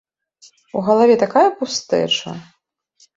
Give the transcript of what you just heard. У галаве такая пустэча.